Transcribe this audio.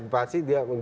pastinya tidak semua